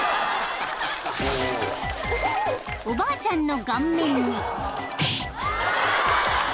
［おばあちゃんの顔面に］